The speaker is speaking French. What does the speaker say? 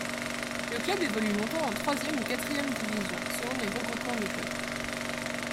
Le club évolue longtemps en troisième ou quatrième division selon les regroupements de clubs.